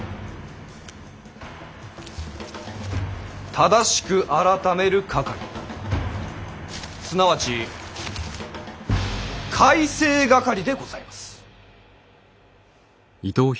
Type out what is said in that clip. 正しく改める掛すなわち改正掛でございます！